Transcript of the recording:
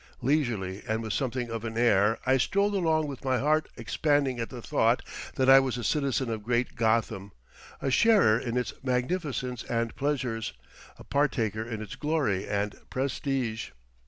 Leisurely and with something of an air I strolled along with my heart expanding at the thought that I was a citizen of great Gotham, a sharer in its magnificence and pleasures, a partaker in its glory and prestige.